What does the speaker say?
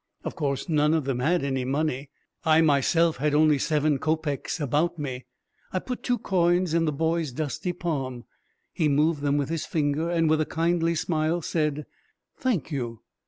Of course, none of them had any money. I myself, had only seven kopecks about me. I put two coins in the boy's dusty palm. He moved them with his finger and with a kindly smile said: "Thank you."